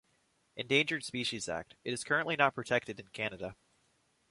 Endangered Species Act, it is currently not protected in Canada.